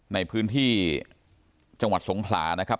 ในพื้นที่จังหวัดสงขลานะครับ